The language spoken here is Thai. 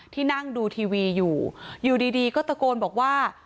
ที่นั่งดูทีวีอยู่อยู่ดีก็ตะโกนบอกว่า